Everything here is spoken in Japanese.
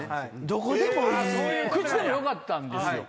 口でもよかったんですよ。